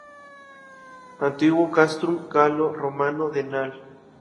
Antiguo castrum galo-romano de Nal